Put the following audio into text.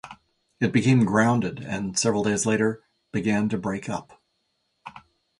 It became grounded and, several days later, began to break up.